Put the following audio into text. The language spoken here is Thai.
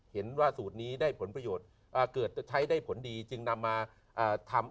เห็นว่าสูตรนี้ได้ผลประโยชน์เกิดใช้ได้ผลดีจึงนำมาทำ